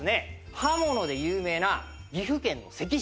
刃物で有名な岐阜県の関市。